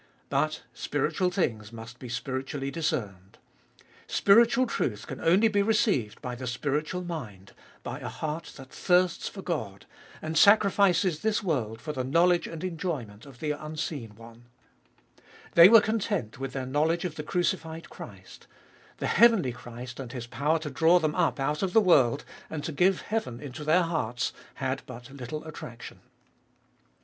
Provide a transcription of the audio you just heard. But spiritual things must be spiritually discerned. Spiritual truth can only be received by the spiritual mind, by a heart that thirsts for God, and sacrifices this world for the knowledge and enjoyment of the unseen One. They were content with their knowledge of the crucified Christ; the heavenly Christ, and His power to draw Gbe fcolfest of ail 197 them up out of the world, and to give heaven into their hearts, had but little attraction.